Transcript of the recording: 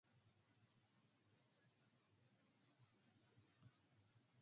Gurmansky and Bellegarde were later sentenced to death "in absentia" by a Soviet court.